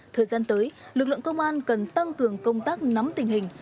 thời gian tới lực lượng công an cần tăng cường công tác nắm tình hình